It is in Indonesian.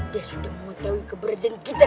dia sudah mengetahui keberadaan kita